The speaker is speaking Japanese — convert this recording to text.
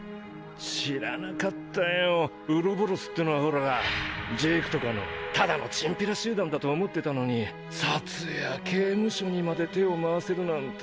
知らなかったよウロボロスってのはホラジェイクとかのただのチンピラ集団だと思ってたのにサツや刑務所にまで手を回せるなんて。